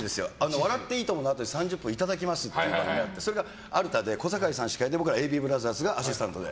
「笑っていいとも！」のあとに「いただきます」っていう番組があって、それがアルタで小堺さん司会で僕らＡＢブラザーズがアシスタントで。